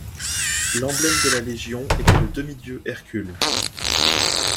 L’emblème de la légion était le demi-dieu Hercules.